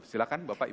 silahkan bapak ibu